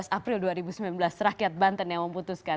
tujuh belas april dua ribu sembilan belas rakyat banten yang memutuskan